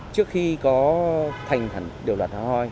trước khi có thành thần điều luật